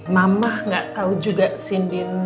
mama gak tau juga sindin